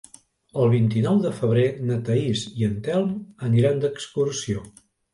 El vint-i-nou de febrer na Thaís i en Telm aniran d'excursió.